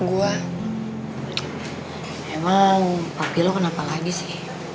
gue tuh lagi kepikiran sama bokap gue